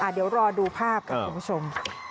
เดี๋ยวรอดูภาพก่อนคุณผู้ชม